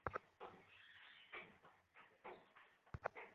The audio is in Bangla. কুকুরটা আমার সাথে কথা বলেছে!